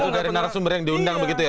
satu dari narasumber yang diundang begitu ya